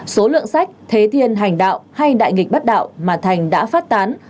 số lượng sách thế thiên hành đạo hay đại nghịch bất đạo mà thành đã phát tán